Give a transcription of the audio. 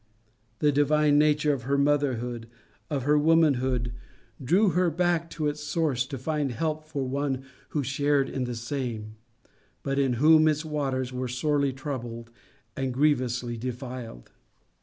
The divine nature of her motherhood, of her womanhood, drew her back to its source to find help for one who shared in the same, but in whom its waters were sorely troubled and grievously defiled.